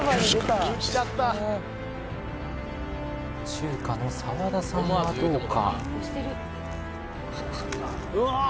中華の澤田さんはどうか？